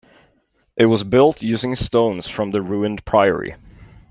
It was built using stones from the ruined priory.